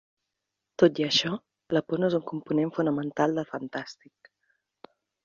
Tot i això, la por no és un component fonamental del "fantàstic".